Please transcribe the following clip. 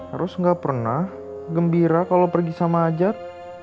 eros gak pernah gembira kalau pergi sama ajat